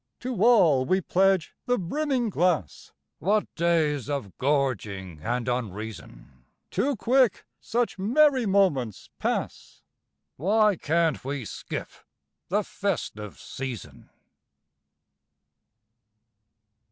_) To all we pledge the brimming glass! (What days of gorging and unreason!) Too quick such merry moments pass (_Why can't we skip the "festive season"?